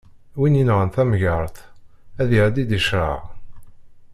Win yenɣan tamgerḍt ad iɛeddi di ccṛeɛ.